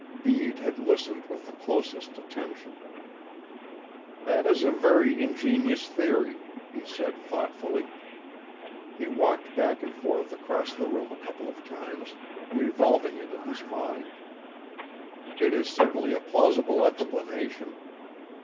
Bede had listened with the closest attention. "That is a very ingenious theory," he said thoughtfully. He walked back and forth across the room a couple of times, revolving it in his mind. "It is certainly a plausible explanation.